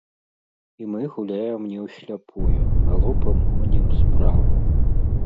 І мы гуляем не ў сляпую, галопам гонім справу.